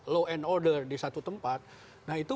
law and order di satu tempat nah itu